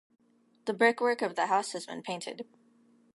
The brickwork of the house has been painted.